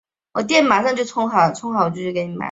以动画师活动时使用织田广之名义。